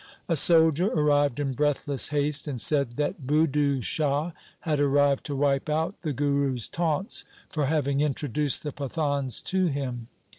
A soldier arrived in breathless haste, and said that Budhu Shah had arrived to wipe out the Guru's taunts for having introduced the Pathans to him.